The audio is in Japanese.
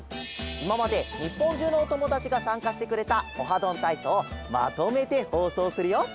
いままでにっぽんじゅうのおともだちがさんかしてくれた「オハどんたいそう」をまとめてほうそうするよ。